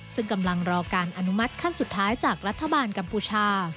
ซึ่งกำลังรอการอนุมัติขั้นสุดท้ายจากรัฐบาลกัมพูชา